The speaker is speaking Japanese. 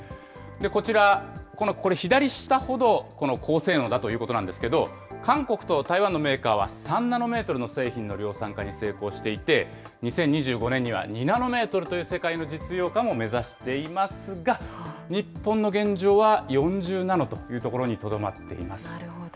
こちら、このこれ、左下ほど高性能だということなんですけど、韓国と台湾のメーカーは３ナノメートルの製品の量産化に成功していて、２０２５年には２ナノメートルという世界の実用化も目指していますが、日本の現状は４０ナノというところにとどまっていまなるほど。